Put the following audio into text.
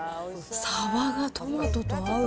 サバがトマトと合う。